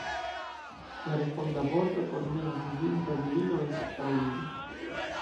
La responda vorto por ne edziĝinta virino estas fraŭlino.